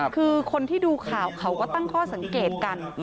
คือคนที่ดูข่าวเขาก็ตั้งข้อสังเกตกัน